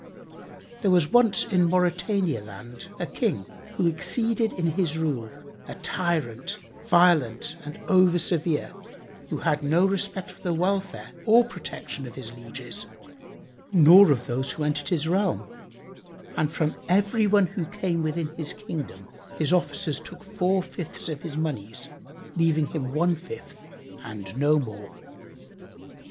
There was once in Mauritania land[FN#82] a King who exceeded in his rule, a tyrant, violent and over severe, who had no respect for the welfare or protection of his lieges nor of those who entered his realm; and from everyone who came within his Kingdom his officers took four fifths of his monies, leaving him one fifth and no more.